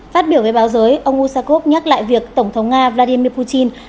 phát biểu với báo giới ông usakov nhắc lại việc tổng thống nga vladimir putin